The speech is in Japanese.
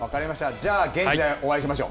じゃあ現地でお会いしましょう。